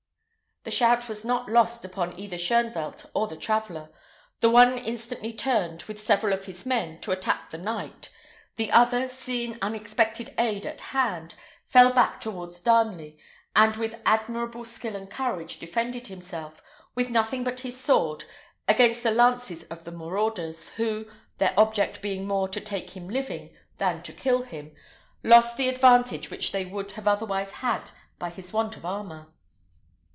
The shout was not lost upon either Shoenvelt or the traveller. The one instantly turned, with several of his men, to attack the knight; the other, seeing unexpected aid at hand, fell back towards Darnley, and with admirable skill and courage defended himself, with nothing but his sword, against the lances of the marauders, who their object being more to take him living than to kill him lost the advantage which they would have otherwise had by his want of armour.